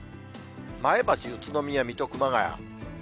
前橋、宇都宮、水戸、熊谷。